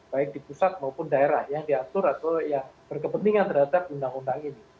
baik di pusat maupun daerah yang diatur atau yang berkepentingan terhadap undang undang ini